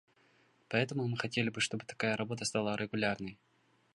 Поэтому мы хотели бы, чтобы такая работа стала регулярной.